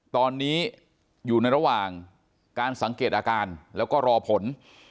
ตอนนี้อยู่ในระหว่างการสังเกตอาการแล้วก็รอผล